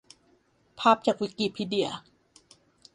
ภาพจากวิกิพีเดีย